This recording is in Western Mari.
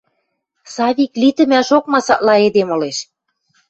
Савик литӹмӓшок масакла эдем ылеш.